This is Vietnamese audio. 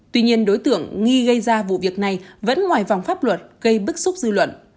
tuy nhiên đối tượng nghi gây ra vụ việc này vẫn ngoài vòng pháp luật gây bức xúc dư luận